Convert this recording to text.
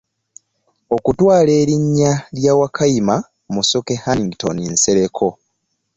Okutwala erinnya lya Wakayima Musoke Hannington Nsereko.